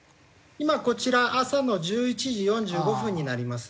今こちら朝の１１時４５分になります。